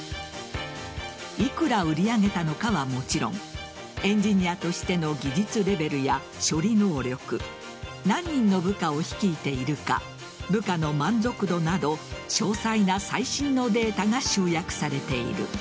幾ら売り上げたのかはもちろんエンジニアとしての技術レベルや処理能力何人の部下を率いているか部下の満足度など詳細な最新のデータが集約されている。